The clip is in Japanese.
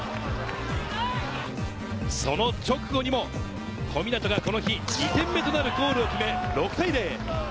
その直後にも小湊がこの日２点目となるゴールを決め６対０。